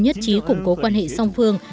nhất trí củng cố quan hệ song phương